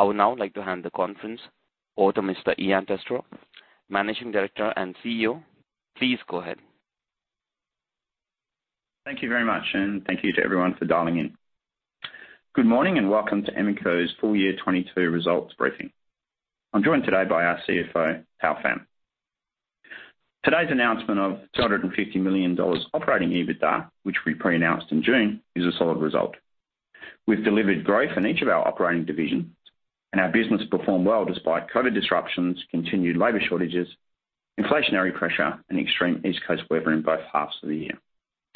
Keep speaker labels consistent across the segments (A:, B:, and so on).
A: I would now like to hand the conference over to Mr. Ian Testrow, Managing Director and CEO. Please go ahead.
B: Thank you very much, and thank you to everyone for dialing in. Good morning, and welcome to Emeco's Full Year 2022 Results briefing. I'm joined today by our CFO, Thao Pham. Today's announcement of 250 million dollars operating EBITDA, which we pre-announced in June, is a solid result. We've delivered growth in each of our operating divisions, and our business performed well despite COVID disruptions, continued labor shortages, inflationary pressure, and extreme East Coast weather in both halves of the year.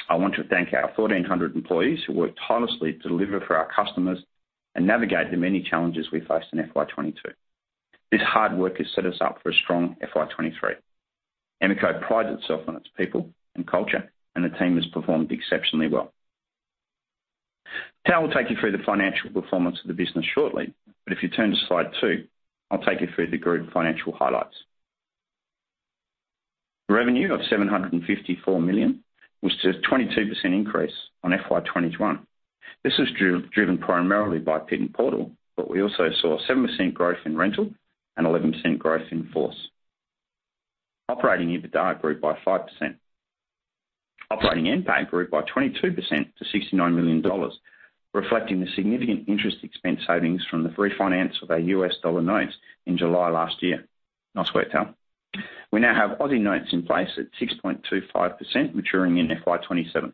B: I want to thank our 1,400 employees who worked tirelessly to deliver for our customers and navigate the many challenges we faced in FY22. This hard work has set us up for a strong FY23. Emeco prides itself on its people and culture, and the team has performed exceptionally well. Thao will take you through the financial performance of the business shortly, but if you turn to slide two, I'll take you through the group financial highlights. Revenue of 754 million was a 22% increase on FY21. This was driven primarily by Pit N Portal, but we also saw a 7% growth in Rental and 11% growth in Force. Operating EBITDA grew by 5%. Operating NPAT grew by 22% to 69 million dollars, reflecting the significant interest expense savings from the refinance of our U.S. dollar notes in July last year. Nice work, Thao. We now have Aussie notes in place at 6.25% maturing in FY27.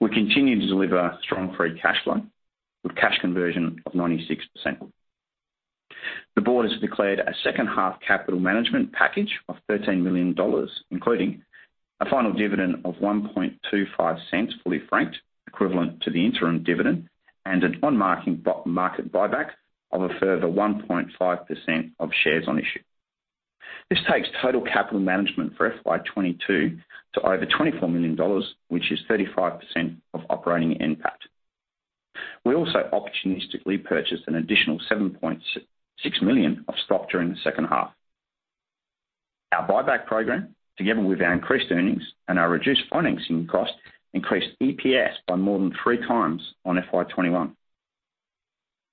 B: We continue to deliver strong free cash flow with cash conversion of 96%. The board has declared a second-half capital management package of 13 million dollars, including a final dividend of 0.0125 fully franked, equivalent to the interim dividend, and an on-market buyback of a further 1.5% of shares on issue. This takes total capital management for FY22 to over 24 million dollars, which is 35% of operating NPAT. We also opportunistically purchased an additional 7.66 million of stock during the second half. Our buyback program, together with our increased earnings and our reduced financing cost, increased EPS by more than three times on FY21.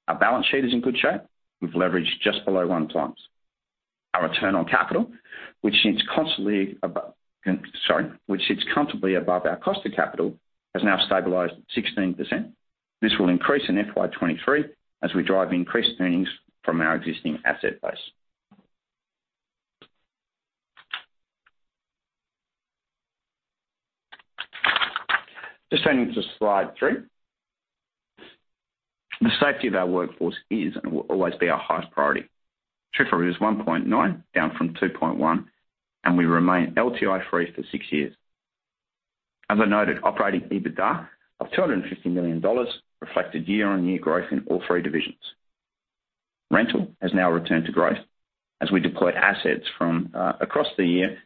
B: Our balance sheet is in good shape. We've leveraged just below 1x. Our return on capital, which sits comfortably above our cost of capital, has now stabilized at 16%. This will increase in FY23 as we drive increased earnings from our existing asset base. Just turning to slide three. The safety of our workforce is and will always be our highest priority. TRIFR is 1.9, down from 2.1, and we remain LTI-free for six years. As I noted, operating EBITDA of 250 million dollars reflected year-on-year growth in all three divisions. Rental has now returned to growth as we deploy assets from across the year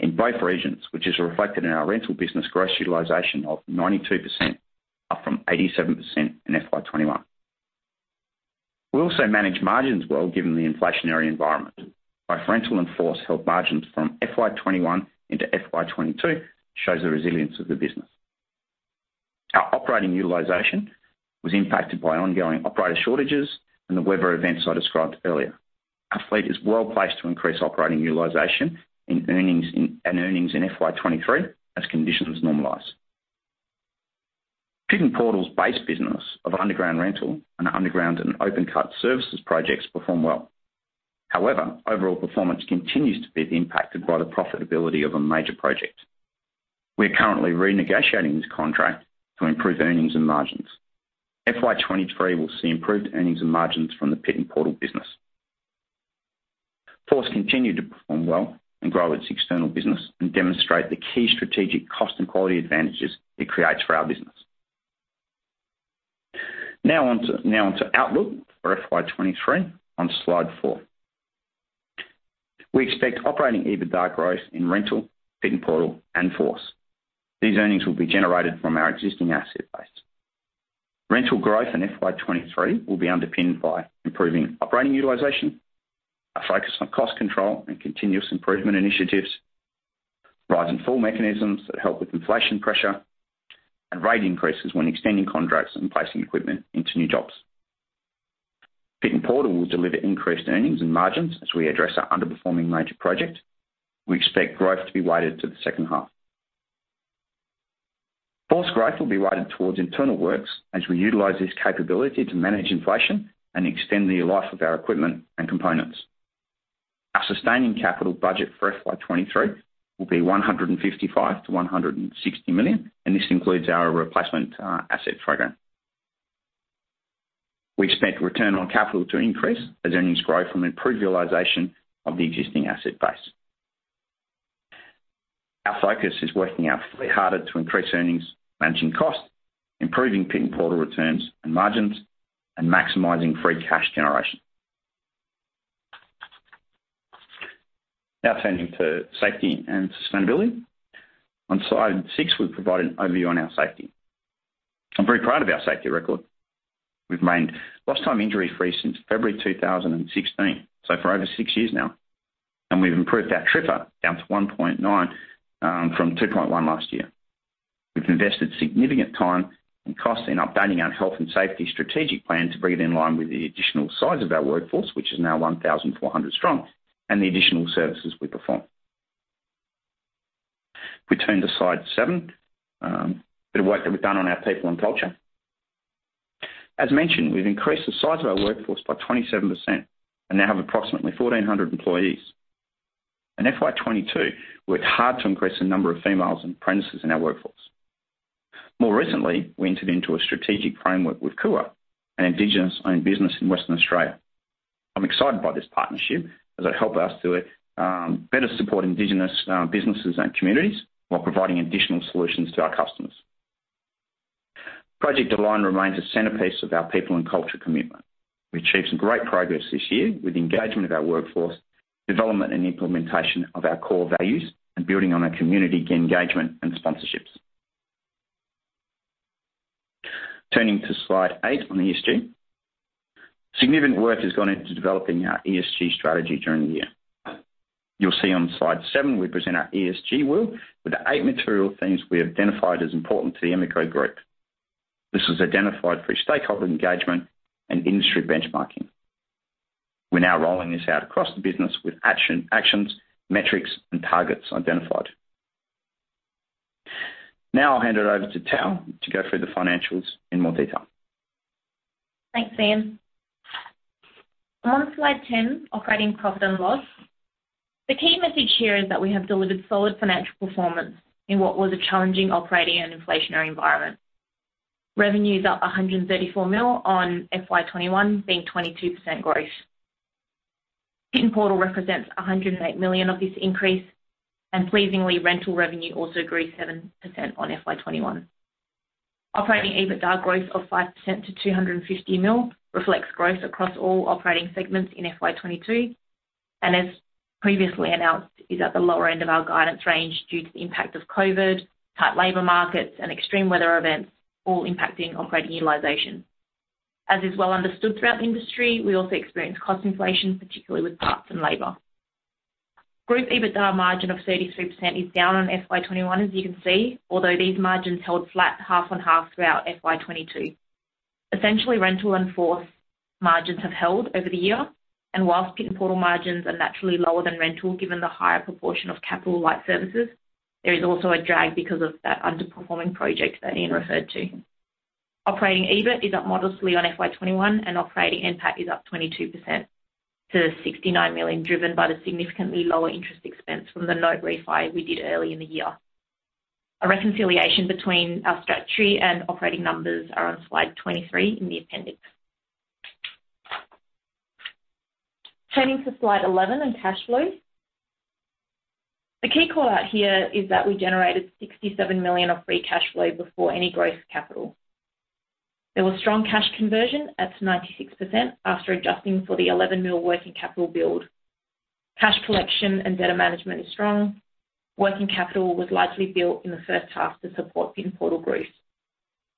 B: in both regions, which is reflected in our Rental business gross utilization of 92%, up from 87% in FY21. We also manage margins well given the inflationary environment. Both Rental and Force held margins from FY21 into FY22, shows the resilience of the business. Our operating utilization was impacted by ongoing operator shortages and the weather events I described earlier. Our fleet is well-placed to increase operating utilization and earnings in FY23 as conditions normalize. Pit N Portal's base business of underground rental and underground and open cut services projects perform well. However, overall performance continues to be impacted by the profitability of a major project. We are currently renegotiating this contract to improve earnings and margins. FY23 will see improved earnings and margins from the Pit N Portal business. Force continued to perform well and grow its external business and demonstrate the key strategic cost and quality advantages it creates for our business. Now on to outlook for FY23 on slide four. We expect operating EBITDA growth in Rental, Pit N Portal, and Force. These earnings will be generated from our existing asset base. Rental growth in FY23 will be underpinned by improving operating utilization, a focus on cost control and continuous improvement initiatives, rise and fall mechanisms that help with inflation pressure, and rate increases when extending contracts and placing equipment into new jobs. Pit N Portal will deliver increased earnings and margins as we address our underperforming major project. We expect growth to be weighted to the second half. Force growth will be weighted towards internal works as we utilize this capability to manage inflation and extend the life of our equipment and components. Our sustaining capital budget for FY23 will be 155 million-160 million, and this includes our replacement asset program. We expect return on capital to increase as earnings grow from improved utilization of the existing asset base. Our focus is working our fleet harder to increase earnings, managing costs, improving Pit N Portal returns and margins, and maximizing free cash generation. Now turning to safety and sustainability. On slide 6, we provide an overview on our safety. I'm very proud of our safety record. We've remained lost time injury-free since February 2016, so for over six years now, and we've improved our TRIFR down to 1.9 from 2.1 last year. We've invested significant time and cost in updating our health and safety strategic plan to bring it in line with the additional size of our workforce, which is now 1,400 strong, and the additional services we perform. If we turn to slide seven, the work that we've done on our people and culture. As mentioned, we've increased the size of our workforce by 27% and now have approximately 1,400 employees. In FY22, we worked hard to increase the number of females and apprentices in our workforce. More recently, we entered into a strategic framework with Kuuwa, an Indigenous-owned business in Western Australia. I'm excited by this partnership as it help us to better support Indigenous businesses and communities while providing additional solutions to our customers. Project Align remains a centerpiece of our people and culture commitment. We achieved some great progress this year with engagement of our workforce, development and implementation of our core values, and building on our community engagement and sponsorships. Turning to slide eight on ESG. Significant work has gone into developing our ESG strategy during the year. You'll see on slide seven, we present our ESG wheel with the eight material themes we have identified as important to the Emeco Group. This was identified through stakeholder engagement and industry benchmarking. We're now rolling this out across the business with actions, metrics, and targets identified. Now I'll hand it over to Thao Pham to go through the financials in more detail.
C: Thanks, Ian. On slide 10, operating profit and loss. The key message here is that we have delivered solid financial performance in what was a challenging operating and inflationary environment. Revenue is up 134 million on FY21, being 22% growth. Pit N Portal represents 108 million of this increase, and pleasingly, rental revenue also grew 7% on FY21. Operating EBITDA growth of 5% to 250 million reflects growth across all operating segments in FY22, and as previously announced, is at the lower end of our guidance range due to the impact of COVID, tight labor markets, and extreme weather events, all impacting operating utilization. As is well understood throughout the industry, we also experienced cost inflation, particularly with parts and labor. Group EBITDA margin of 33% is down on FY21, as you can see, although these margins held flat half on half throughout FY22. Essentially, rental and Force margins have held over the year, and while Pit N Portal margins are naturally lower than rental, given the higher proportion of capital light services, there is also a drag because of that underperforming project that Ian referred to. Operating EBIT is up modestly on FY21 and operating NPAT is up 22% to 69 million, driven by the significantly lower interest expense from the note refi we did early in the year. A reconciliation between our statutory and operating numbers are on slide 23 in the appendix. Turning to slide 11 on cash flow. The key callout here is that we generated 67 million of free cash flow before any gross capital. There was strong cash conversion at 96% after adjusting for the 11 million working capital build. Cash collection and debtor management is strong. Working capital was largely built in the first half to support Pit N Portal growth.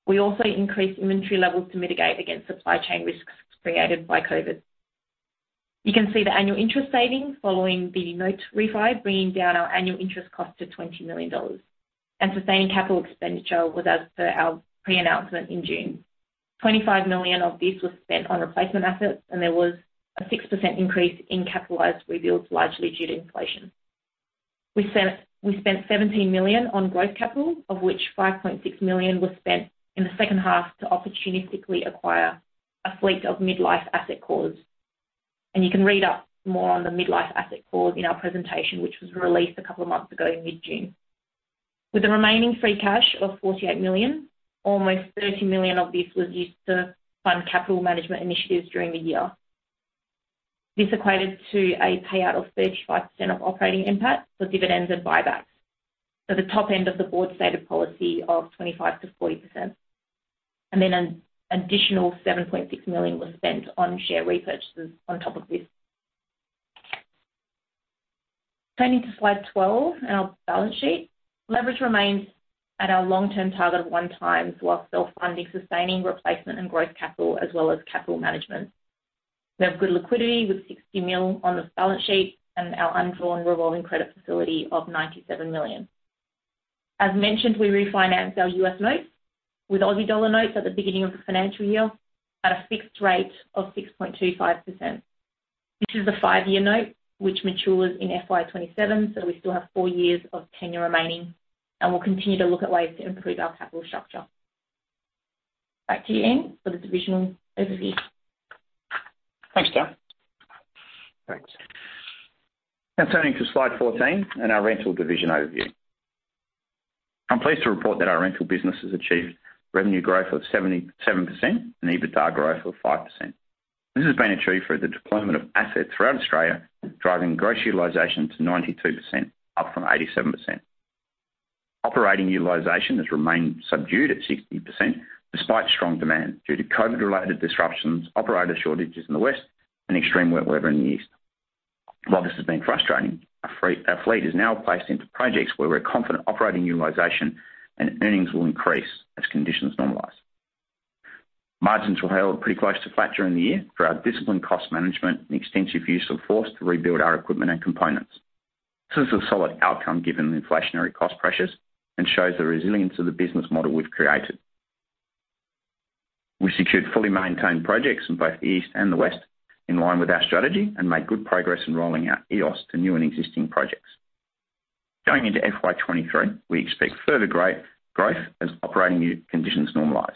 C: We also increased inventory levels to mitigate against supply chain risks created by COVID. You can see the annual interest savings following the note refi, bringing down our annual interest cost to 20 million dollars, and sustaining capital expenditure was as per our pre-announcement in June. 25 million of this was spent on replacement assets, and there was a 6% increase in capitalized rebuilds, largely due to inflation. We spent 17 million on growth capital, of which 5.6 million was spent in the second half to opportunistically acquire a fleet of mid-life asset cores. You can read up more on the mid-life asset cores in our presentation, which was released a couple of months ago in mid-June. With the remaining free cash of 48 million, almost 30 million of this was used to fund capital management initiatives during the year. This equated to a payout of 35% of operating NPAT for dividends and buybacks. The top end of the board's stated policy of 25% to 40%. An additional 7.6 million was spent on share repurchases on top of this. Turning to slide 12, our balance sheet. Leverage remains at our long-term target of 1x while still funding sustaining replacement and growth capital as well as capital management. We have good liquidity with 60 million on the balance sheet and our undrawn revolving credit facility of 97 million. As mentioned, we refinanced our U.S. notes with Aussie dollar notes at the beginning of the financial year at a fixed rate of 6.25%. This is a five-year note which matures in FY27, so we still have four years of tenure remaining, and we'll continue to look at ways to improve our capital structure. Back to you, Ian, for the divisional overview.
B: Thanks, Thao. Thanks. Now turning to slide 14 and our rental division overview. I'm pleased to report that our rental business has achieved revenue growth of 77% and EBITDA growth of 5%. This has been achieved through the deployment of assets throughout Australia, driving gross utilization to 92%, up from 87%. Operating utilization has remained subdued at 60% despite strong demand due to COVID-related disruptions, operator shortages in the west, and extreme weather in the east. While this has been frustrating, our fleet is now placed into projects where we're confident operating utilization and earnings will increase as conditions normalize. Margins were held pretty close to flat during the year for our disciplined cost management and extensive use of Force to rebuild our equipment and components. This is a solid outcome given the inflationary cost pressures and shows the resilience of the business model we've created. We secured fully maintained projects in both the East and the West in line with our strategy and made good progress in rolling out EOS to new and existing projects. Going into FY23, we expect further greater growth as operating conditions normalize.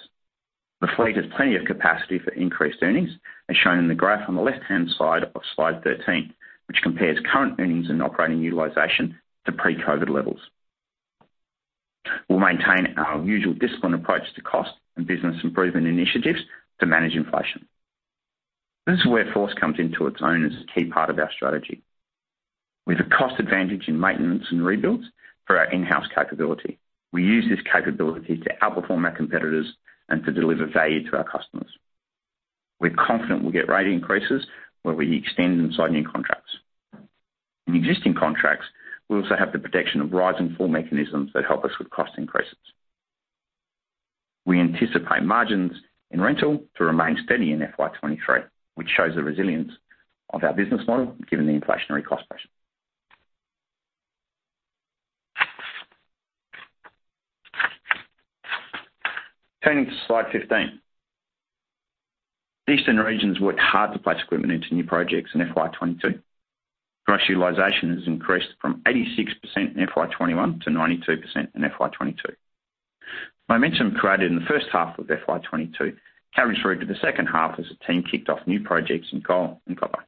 B: The fleet has plenty of capacity for increased earnings, as shown in the graph on the left-hand side of slide 13, which compares current earnings and operating utilization to pre-COVID levels. We'll maintain our usual disciplined approach to cost and business improvement initiatives to manage inflation. This is where Force comes into its own as a key part of our strategy. With a cost advantage in maintenance and rebuilds for our in-house capability, we use this capability to outperform our competitors and to deliver value to our customers. We're confident we'll get rate increases where we extend and sign new contracts. In existing contracts, we also have the protection of rise and fall mechanisms that help us with cost increases. We anticipate margins in rental to remain steady in FY23, which shows the resilience of our business model given the inflationary cost pressure. Turning to slide 15. Eastern regions worked hard to place equipment into new projects in FY22. Gross utilization has increased from 86% in FY21 to 92% in FY22. Momentum created in the first half of FY22 carried through to the second half as the team kicked off new projects in coal and copper.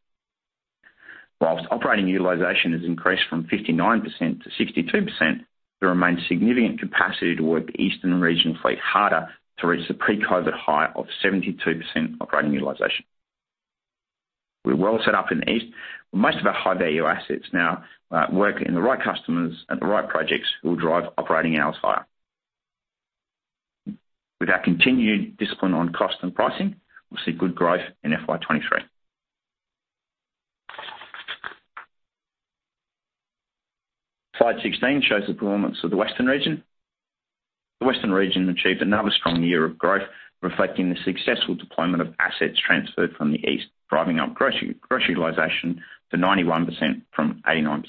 B: While operating utilization has increased from 59% to 62%, there remains significant capacity to work the Eastern region fleet harder to reach the pre-COVID high of 72% operating utilization. We're well set up in the East, where most of our high-value assets now work with the right customers on the right projects will drive operating hours higher. With our continued discipline on cost and pricing, we'll see good growth in FY23. Slide 16 shows the performance of the Western region. The Western region achieved another strong year of growth, reflecting the successful deployment of assets transferred from the East, driving up gross utilization to 91% from 89%.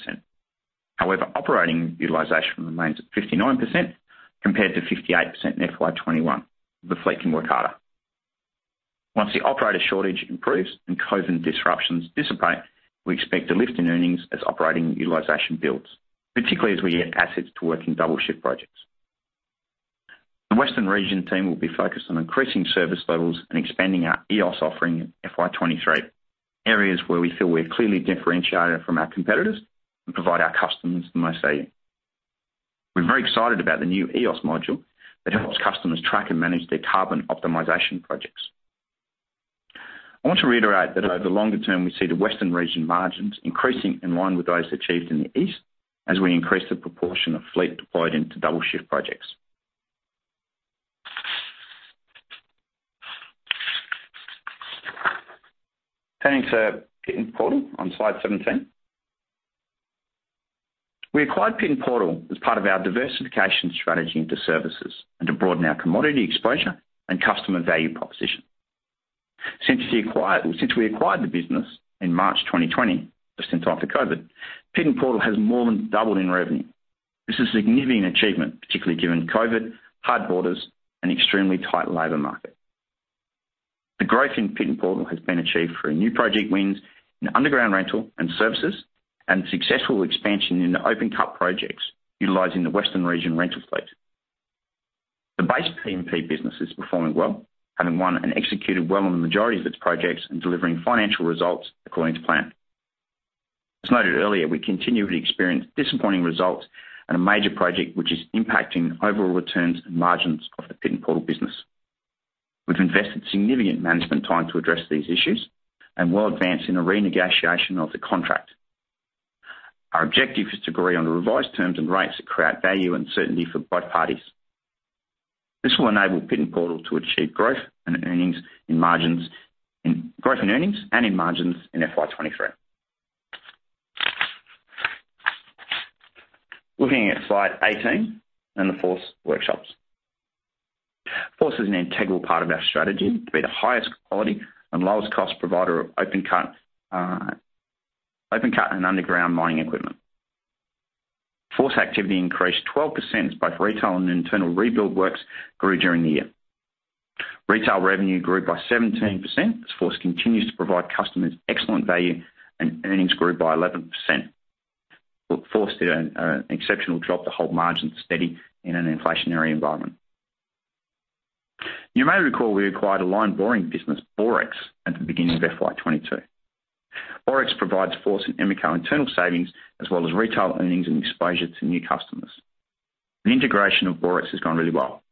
B: However, operating utilization remains at 59% compared to 58% in FY21. The fleet can work harder. Once the operator shortage improves and COVID disruptions dissipate, we expect a lift in earnings as operating utilization builds, particularly as we get assets to work in double-shift projects. The Western region team will be focused on increasing service levels and expanding our EOS offering in FY23, areas where we feel we're clearly differentiated from our competitors and provide our customers the most value. We're very excited about the new EOS module that helps customers track and manage their carbon optimization projects. I want to reiterate that over the longer term, we see the Western region margins increasing in line with those achieved in the East as we increase the proportion of fleet deployed into double-shift projects. Turning to Pit N Portal on slide 17. We acquired Pit N Portal as part of our diversification strategy into services and to broaden our commodity exposure and customer value proposition. Since we acquired the business in March 2020, just in time for COVID, Pit N Portal has more than doubled in revenue. This is a significant achievement, particularly given COVID, hard borders, and extremely tight labor market. The growth in Pit N Portal has been achieved through new project wins in underground rental and services and successful expansion in the open cut projects utilizing the Western region rental fleet. The base PMP business is performing well, having won and executed well on the majority of its projects and delivering financial results according to plan. As noted earlier, we continue to experience disappointing results on a major project, which is impacting overall returns and margins of the Pit N Portal business. We've invested significant management time to address these issues and will advance in a renegotiation of the contract. Our objective is to agree on the revised terms and rates that create value and certainty for both parties. This will enable Pit N Portal to achieve growth and earnings in margins. In growth and earnings and in margins in FY23. Looking at slide 18 and the FORCE workshops. FORCE is an integral part of our strategy to be the highest quality and lowest cost provider of open cut and underground mining equipment. FORCE activity increased 12% as both retail and internal rebuild works grew during the year. Retail revenue grew by 17% as FORCE continues to provide customers excellent value, and earnings grew by 11%. FORCE did an exceptional job to hold margins steady in an inflationary environment. You may recall we acquired a line boring business, Borex, at the beginning of FY22. Borex provides FORCE and Emeco internal savings, as well as retail earnings and exposure to new customers. The integration of Borex has gone really well.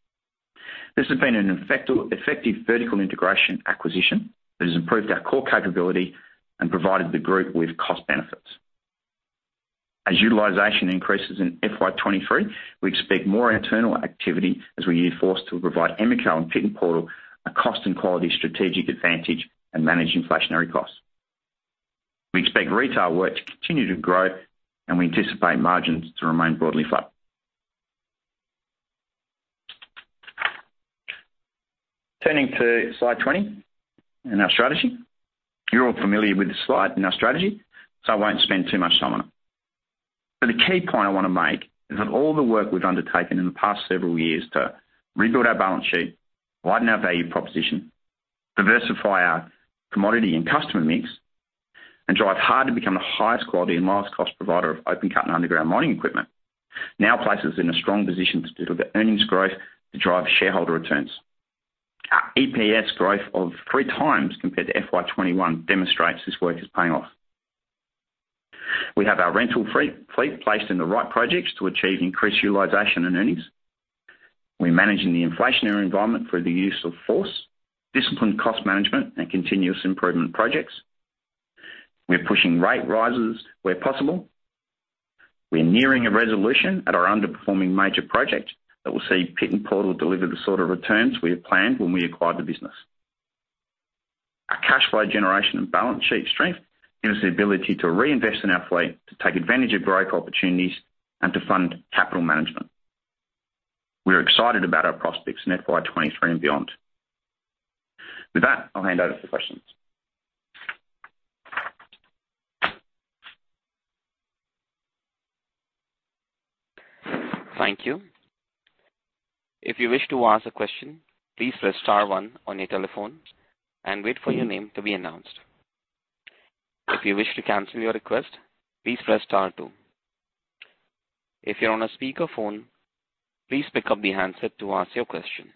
B: This has been an effective vertical integration acquisition that has improved our core capability and provided the group with cost benefits. As utilization increases in FY23, we expect more internal activity as we use Force to provide Emeco and Pit N Portal a cost and quality strategic advantage and manage inflationary costs. We expect retail work to continue to grow, and we anticipate margins to remain broadly flat. Turning to slide 20 in our strategy. You're all familiar with this slide in our strategy, so I won't spend too much time on it. The key point I wanna make is that all the work we've undertaken in the past several years to rebuild our balance sheet, widen our value proposition, diversify our commodity and customer mix, and drive hard to become the highest quality and lowest cost provider of open cut and underground mining equipment now places us in a strong position to deliver earnings growth to drive shareholder returns. Our EPS growth of 3x compared to FY21 demonstrates this work is paying off. We have our rental fleet placed in the right projects to achieve increased utilization and earnings. We're managing the inflationary environment through the use of Force, disciplined cost management, and continuous improvement projects. We're pushing rate rises where possible. We're nearing a resolution at our underperforming major project that will see Pit N Portal deliver the sort of returns we had planned when we acquired the business. Our cash flow generation and balance sheet strength gives us the ability to reinvest in our fleet, to take advantage of growth opportunities, and to fund capital management. We're excited about our prospects in FY23 and beyond. With that, I'll hand over for questions.
A: Thank you. If you wish to ask a question, please press star one on your telephone and wait for your name to be announced. If you wish to cancel your request, please press star two. If you're on a speakerphone, please pick up the handset to ask your question.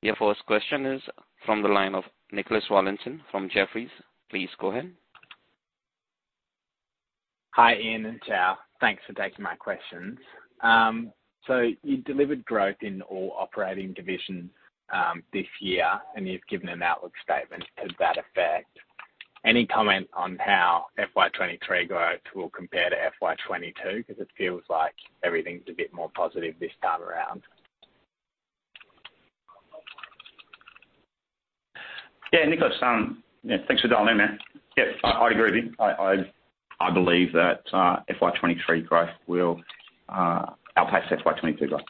A: Your first question is from the line of Nicholas Wallin from Jefferies. Please go ahead.
D: Hi, Ian and Thao. Thanks for taking my questions. You delivered growth in all operating divisions, this year, and you've given an outlook statement to that effect. Any comment on how FY23 growth will compare to FY22? 'Cause it feels like everything's a bit more positive this time around.
B: Yeah, Nicholas, yeah, thanks for dialing in, man. Yeah, I agree with you. I believe that FY23 growth will outpace FY22 growth.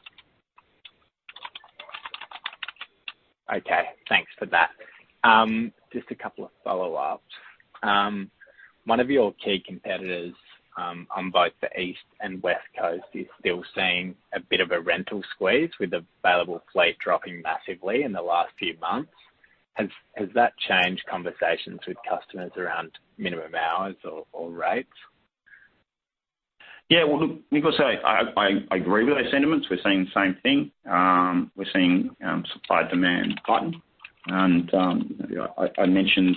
D: Okay, thanks for that. Just a couple of follow-ups. One of your key competitors on both the East and West Coast is still seeing a bit of a rental squeeze with available fleet dropping massively in the last few months. Has that changed conversations with customers around minimum hours or rates?
B: Yeah. Well, look, Nicholas, I agree with those sentiments. We're seeing the same thing. We're seeing supply-demand tighten, and you know, I mentioned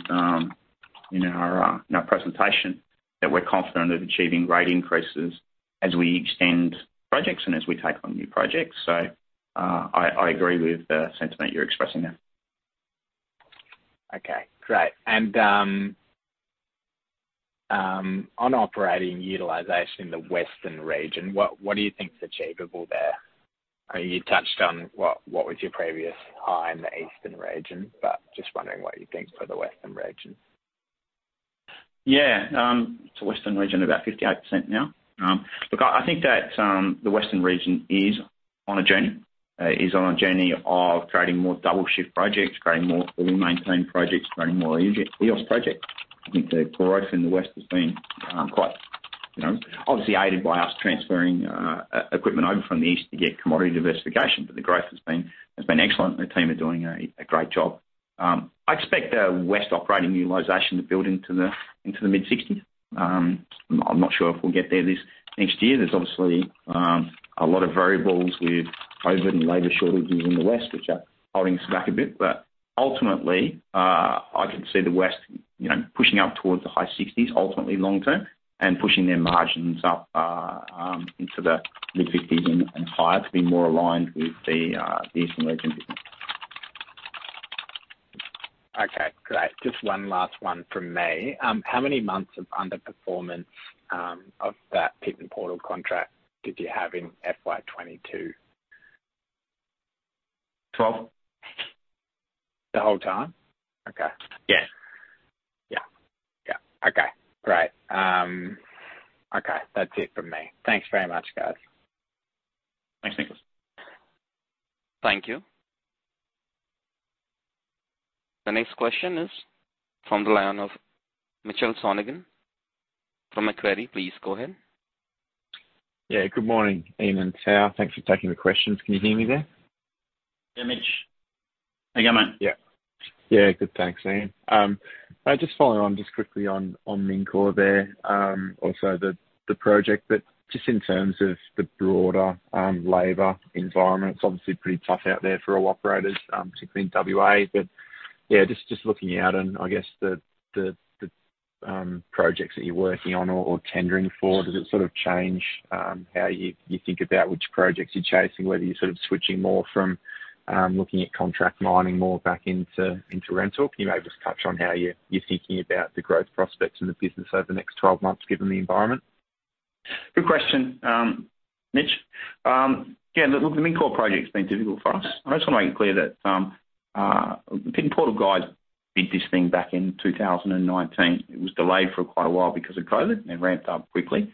B: in our presentation that we're confident of achieving rate increases as we extend projects and as we take on new projects. I agree with the sentiment you're expressing there.
D: Okay, great. On operating utilization in the Western region, what do you think is achievable there? I mean, you touched on what was your previous high in the Eastern region, but just wondering what you think for the Western region?
B: Yeah. Western region about 58% now. Look, I think that the Western region is on a journey of creating more double shift projects, creating more fully maintained projects, creating more EOS projects. I think the growth in the West has been quite, you know, obviously aided by us transferring equipment over from the East to get commodity diversification, but the growth has been excellent. The team are doing a great job. I expect the West operating utilization to build into the mid-60s%. I'm not sure if we'll get there this next year. There's obviously a lot of variables with COVID and labor shortages in the West, which are holding us back a bit. Ultimately, I can see the West, you know, pushing up towards the high 60s%, ultimately long term, and pushing their margins up into the mid 50s% and higher to be more aligned with the Eastern region business.
D: Okay, great. Just one last one from me. How many months of underperformance of that Pit N Portal contract did you have in FY22?
B: Twelve.
D: The whole time? Okay.
B: Yeah.
D: Yeah. Yeah. Okay. Great. Okay. That's it from me. Thanks very much, guys.
B: Thanks, Nicholas.
A: Thank you. The next question is from the line of Mitchell Sonogan from Macquarie. Please go ahead.
E: Yeah, good morning, Ian and Thao. Thanks for taking the questions. Can you hear me there?
B: Yeah, Mitch. How you going, man?
E: Yeah. Yeah, good, thanks, Ian. Just following on just quickly on Mincor there. Also the project, but just in terms of the broader labor environment. It's obviously pretty tough out there for all operators, particularly in WA. Yeah, just looking out and I guess the projects that you're working on or tendering for, does it sort of change how you think about which projects you're chasing, whether you're sort of switching more from looking at contract mining more back into rental? Can you maybe just touch on how you're thinking about the growth prospects in the business over the next twelve months, given the environment?
B: Good question, Mitch. Yeah, look, the Mincor project's been difficult for us. I just wanna make it clear that Pit N Portal guys did this thing back in 2019. It was delayed for quite a while because of COVID, and it ramped up quickly.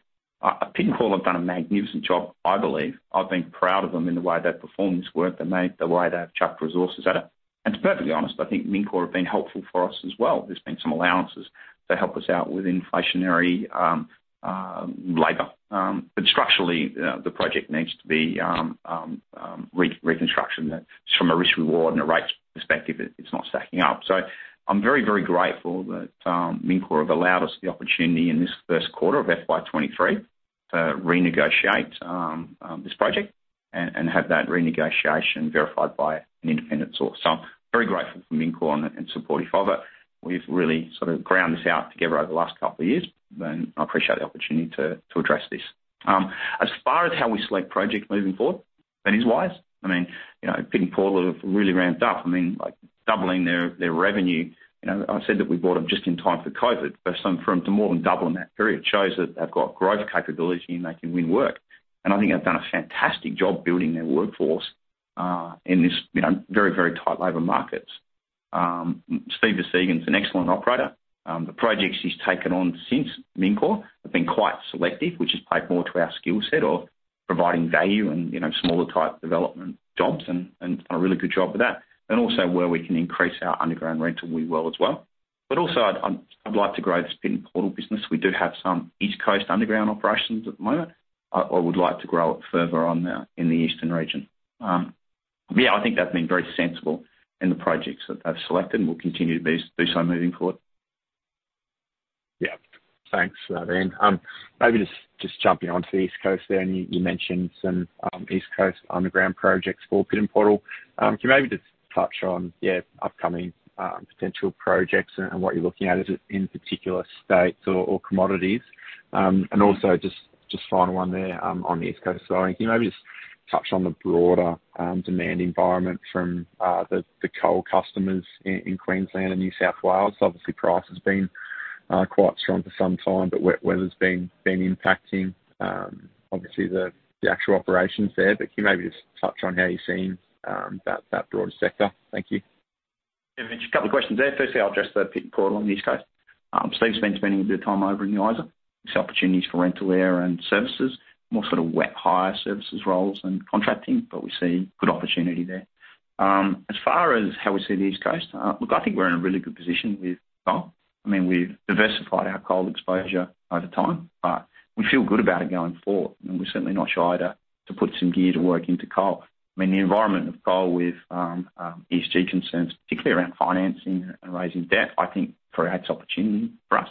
B: Pit N Portal have done a magnificent job, I believe. I've been proud of them in the way they've performed this work, the way they've chucked resources at it. To be perfectly honest, I think Mincor have been helpful for us as well. There's been some allowances to help us out with inflationary labor. Structurally, the project needs to be restructured. Just from a risk/reward and a rate perspective, it's not stacking up. I'm very, very grateful that Mincor have allowed us the opportunity in this first quarter of FY23 to renegotiate this project and have that renegotiation verified by an independent source. I'm very grateful for Mincor and supportive of it. We've really sort of ground this out together over the last couple of years, and I appreciate the opportunity to address this. As far as how we select projects moving forward, that is wise. I mean, you know, Pit N Portal have really ramped up. I mean, like doubling their revenue. You know, I said that we bought them just in time for COVID, but so for them to more than double in that period shows that they've got growth capability and they can win work. I think they've done a fantastic job building their workforce in this, you know, very, very tight labor markets. Steven Versteegen's an excellent operator. The projects he's taken on since Mincor have been quite selective, which has played more to our skill set of providing value and, you know, smaller type development jobs and done a really good job with that. Where we can increase our underground rental, we will as well. I'd like to grow this Pit N Portal business. We do have some East Coast underground operations at the moment. I would like to grow it further on now in the eastern region. I think they've been very sensible in the projects that they've selected and will continue to be so moving forward.
E: Yeah. Thanks for that, Ian. Maybe just jumping onto the East Coast there, and you mentioned some East Coast underground projects for Pit N Portal. Can you maybe just touch on, yeah, upcoming potential projects and what you're looking at in particular states or commodities. And also just final one there on the East Coast. I was wondering, can you maybe just touch on the broader demand environment from the coal customers in Queensland and New South Wales? Obviously, price has been quite strong for some time, but weather's been impacting obviously the actual operations there. Can you maybe just touch on how you're seeing that broader sector? Thank you.
B: Yeah, Mitch, a couple of questions there. Firstly, I'll address the Pit N Portal on the East Coast. Steve's been spending a bit of time over in the Isa. There's opportunities for rental there and services, more sort of wet hire services roles than contracting, but we see good opportunity there. As far as how we see the East Coast, look, I think we're in a really good position with coal. I mean, we've diversified our coal exposure over time. We feel good about it going forward, and we're certainly not shy to put some gear to work into coal. I mean, the environment of coal with ESG concerns, particularly around financing and raising debt, I think creates opportunity for us.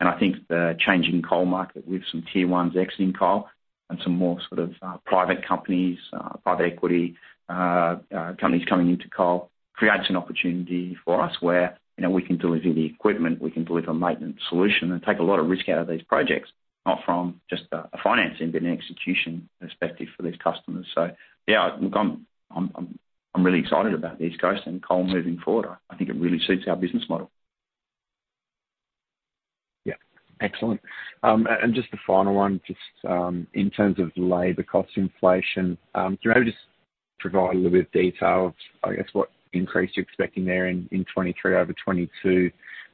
B: I think the changing coal market with some tier ones exiting coal and some more sort of private companies, private equity companies coming into coal creates an opportunity for us where, you know, we can deliver the equipment, we can deliver a maintenance solution and take a lot of risk out of these projects, not from just a finance end, but an execution perspective for these customers. Yeah, look, I'm really excited about the East Coast and coal moving forward. I think it really suits our business model.
E: Yeah. Excellent. And just the final one, just, in terms of labor cost inflation, can you maybe just provide a little bit of detail of, I guess, what increase you're expecting there in 2023 over 2022?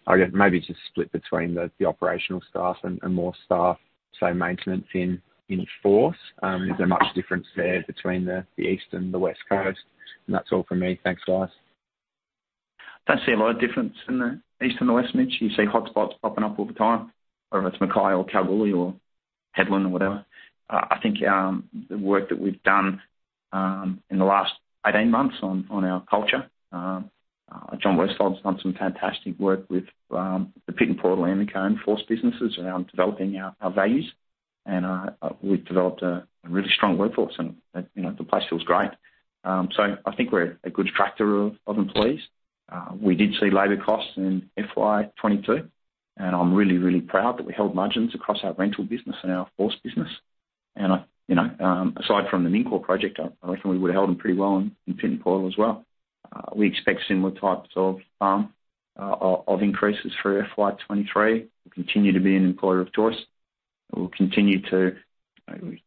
E: I guess maybe just split between the operational staff and more staff, say maintenance in Force. Is there much difference there between the east and the west coast? That's all from me. Thanks, guys.
B: I don't see a lot of difference in the east and the west, Mitch. You see hotspots popping up all the time, whether it's Mackay or Kalgoorlie or Hedland or whatever. I think the work that we've done in the last 18 months on our culture, John Wust done some fantastic work with the Pit N Portal and the Emeco Force businesses around developing our values. We've developed a really strong workforce and, you know, the place feels great. I think we're a good attractor of employees. We did see labor costs in FY22, and I'm really proud that we held margins across our rental business and our Force business. I, you know, aside from the Mincor project, I reckon we would've held them pretty well in Pit N Portal as well. We expect similar types of increases for FY 2023. We continue to be an employer of choice, and we'll continue to, I mean,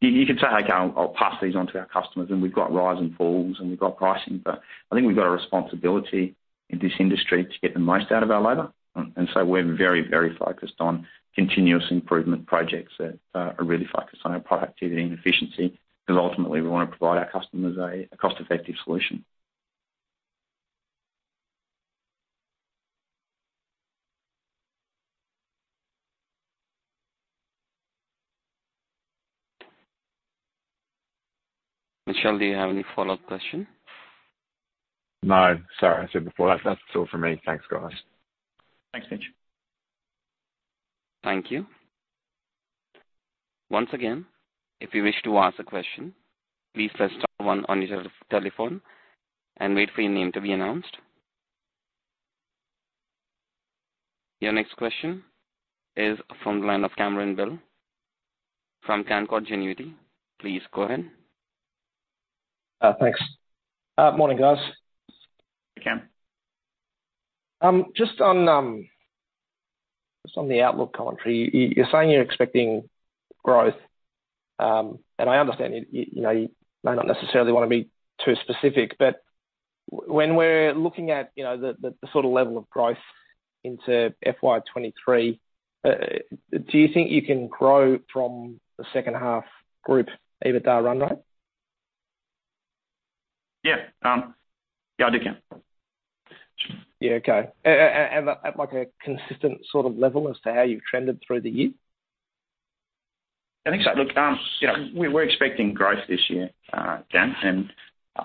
B: you could say, "Okay, I'll pass these on to our customers," and we've got rise and falls and we've got pricing. I think we've got a responsibility in this industry to get the most out of our labor. We're very focused on continuous improvement projects that are really focused on our productivity and efficiency because ultimately we wanna provide our customers a cost-effective solution.
A: Michelle, do you have any follow-up question?
E: No. Sorry, I said before, that's all from me. Thanks, guys.
B: Thanks, Mitch.
A: Thank you. Once again, if you wish to ask a question, please press star one on your telephone and wait for your name to be announced. Your next question is from the line of Cameron Bell from Canaccord Genuity. Please go ahead.
F: Thanks. Morning, guys.
B: Hey, Cam.
F: Just on the outlook commentary. You're saying you're expecting growth. I understand you know you may not necessarily wanna be too specific, but when we're looking at you know the sort of level of growth into FY23, do you think you can grow from the second half group EBITDA run rate?
B: Yeah. Yeah, I do, Cam.
F: Yeah. Okay. At, like, a consistent sort of level as to how you've trended through the year?
B: I think so. Look, you know, we're expecting growth this year, Cam, and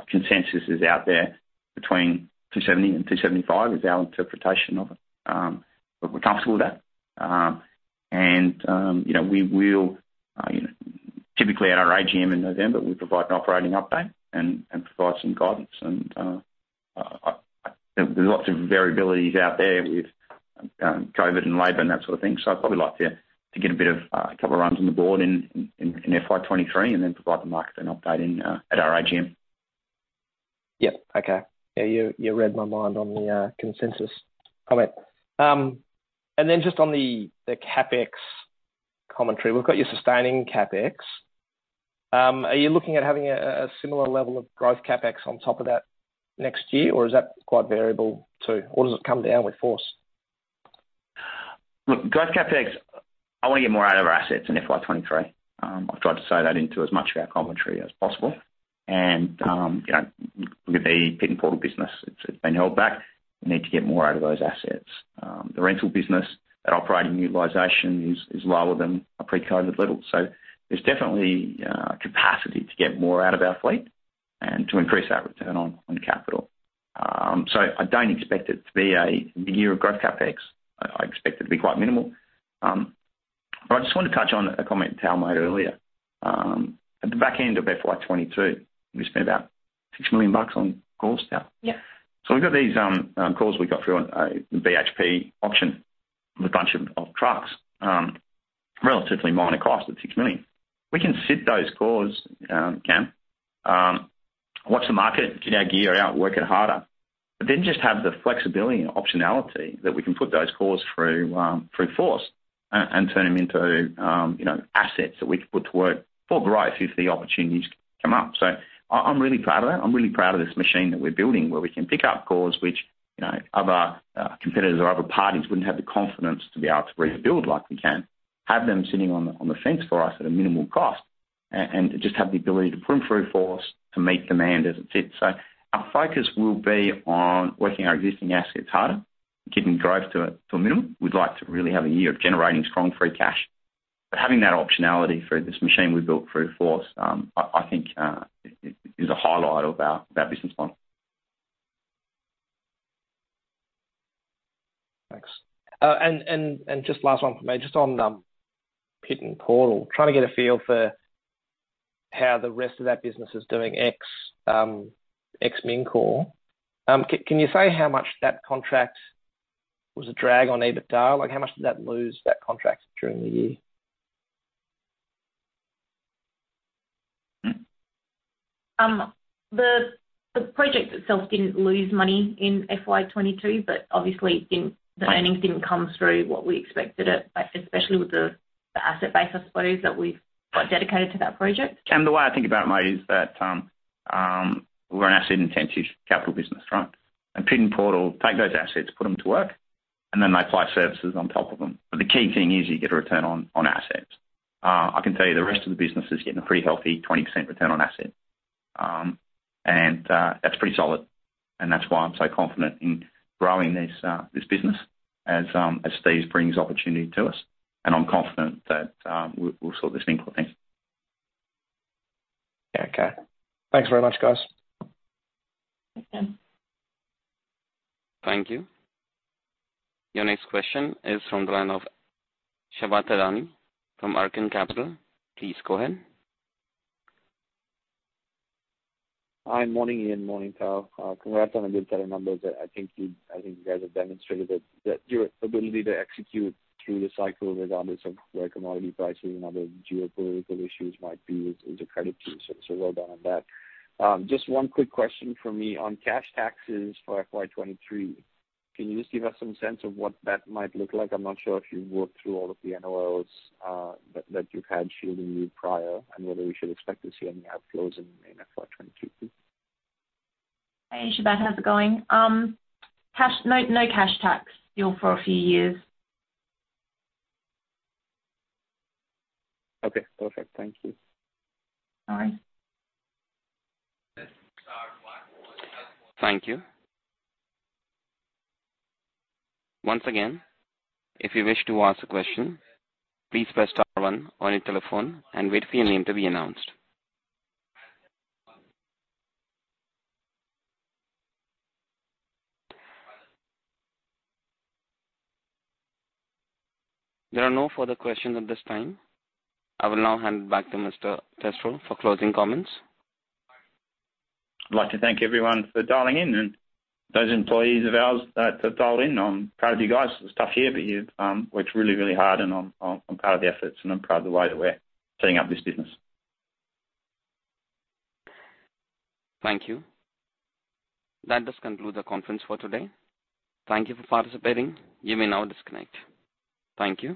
B: consensus is out there between 270 and 275 is our interpretation of it. We're comfortable with that. You know, we will, you know, typically at our AGM in November, we provide an operating update and provide some guidance. There's lots of variabilities out there with COVID and labor and that sort of thing. I'd probably like to get a bit of a couple of runs on the board in FY23 and then provide the market an update at our AGM.
F: Yep. Okay. Yeah, you read my mind on the consensus comment. Just on the CapEx commentary, we've got your sustaining CapEx. Are you looking at having a similar level of growth CapEx on top of that next year? Or is that quite variable too? Or does it come down with Force?
B: Look, growth CapEx, I wanna get more out of our assets in FY23. I've tried to sow that into as much of our commentary as possible and, you know, look at the Pit N Portal business. It's been held back. We need to get more out of those assets. The rental business, that operating utilization is lower than a pre-COVID level. There's definitely capacity to get more out of our fleet and to increase our return on capital. I don't expect it to be a year of growth CapEx. I expect it to be quite minimal. I just want to touch on a comment Thao Pham made earlier. At the back end of FY22, we spent about 6 million bucks on cores, Thao Pham?
C: Yeah.
B: We've got these cores we got through on the BHP auction with a bunch of trucks. Relatively minor cost at 6 million. We can sit those cores, Cam, watch the market, get our gear out, work it harder, but then just have the flexibility and optionality that we can put those cores through Force and turn them into, you know, assets that we can put to work for growth if the opportunities come up. I'm really proud of that. I'm really proud of this machine that we're building where we can pick up cores, which, you know, other competitors or other parties wouldn't have the confidence to be able to rebuild like we can. Have them sitting on the fence for us at a minimal cost and just have the ability to put them through Force to meet demand as it sits. Our focus will be on working our existing assets harder and keeping growth to a minimum. We'd like to really have a year of generating strong free cash. Having that optionality through this machine we've built through Force, I think, is a highlight of our business model.
F: Thanks. Just last one from me, just on Pit N Portal. Trying to get a feel for how the rest of that business is doing ex-Mincor. Can you say how much that contract was a drag on EBITDA? Like, how much did that lose that contract during the year?
C: The project itself didn't lose money in FY22, but obviously it didn't. The earnings didn't come through what we expected it, like, especially with the asset base, I suppose, that we've quite dedicated to that project.
B: The way I think about it, mate, is that we're an asset intensive capital business, right? Pit N Portal take those assets, put them to work, and then they apply services on top of them. The key thing is you get a return on assets. I can tell you, the rest of the business is getting a pretty healthy 20% return on asset. That's pretty solid, and that's why I'm so confident in growing this business as these brings opportunity to us. I'm confident that we'll sort this Mincor thing.
F: Yeah, okay. Thanks very much, guys.
C: Thanks, Cam.
A: Thank you. Your next question is from the line of Shabbir Pirlai from Arkan Capital. Please go ahead.
G: Hi. Morning, Ian. Morning, Thao. Congrats on a good set of numbers. I think you guys have demonstrated that your ability to execute through the cycle, regardless of where commodity prices and other geopolitical issues might be, is a credit to you. Well done on that. Just one quick question from me on cash taxes for FY23. Can you just give us some sense of what that might look like? I'm not sure if you've worked through all of the NOLs that you've had shielding you prior and whether we should expect to see any outflows in FY23?
C: Hey, Shabbir. How's it going? No, no cash tax due for a few years.
G: Okay, perfect. Thank you.
C: All right.
A: Thank you. Once again, if you wish to ask a question, please press star one on your telephone and wait for your name to be announced. There are no further questions at this time. I will now hand back to Mr. Testrow for closing comments.
B: I'd like to thank everyone for dialing in, and those employees of ours that dialed in. I'm proud of you guys. It was tough year, but you worked really, really hard, and I'm proud of the efforts and I'm proud of the way that we're setting up this business.
A: Thank you. That does conclude the conference for today. Thank you for participating. You may now disconnect. Thank you.